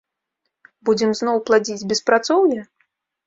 Будзем зноў пладзіць беспрацоўе?